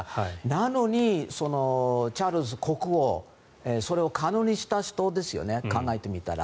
なのにチャールズ国王それを可能にした人ですよね考えてみたら。